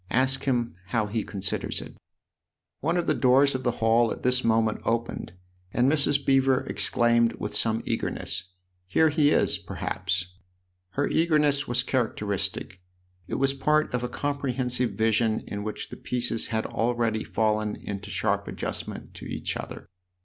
Ask him how he considers it." One of the doors of the hall at this moment opened, and Mrs. Beever exclaimed with some eagerness :" Here he is, perhaps !" Her eagerness was characteristic ; it was part of a comprehensive vision in which the pieces had already fallen into sharp adjustment to each other.